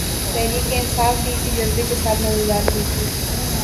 تحریک انصاف بھی اسی جذبے کے ساتھ نمودار ہوئی تھی۔